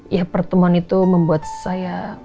ya pertemuan itu membuat saya